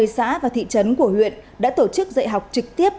một mươi xã và thị trấn của huyện đã tổ chức dạy học trực tiếp